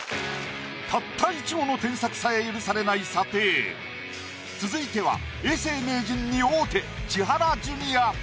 たった１語の添削さえ許されない査定続いては永世名人に王手千原ジュニア。